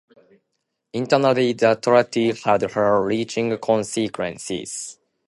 Internally, the treaty had far-reaching consequences.